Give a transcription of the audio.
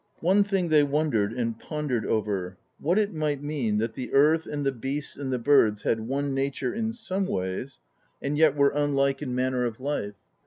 One thing they wondered and pondered over: what it might mean, that the earth and the beasts and the birds had one nature in some ways, and yet were unlike in manner of 4 PROLOGUE life.